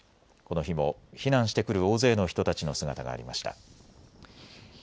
この日も避難してくる大勢の人たちの姿がありました。